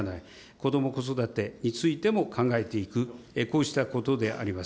こども・子育てについても考えていく、こうしたことであります。